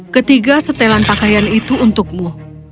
ketiga setelan pakaian itu untukmu